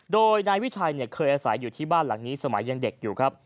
โดยนายวิชัยเคยอาศัยอยู่ที่บ้านหลังนี้สมัยยังเด็กอยู่ครับ